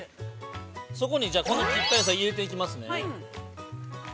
◆そこにこの切った野菜を入れていきますね。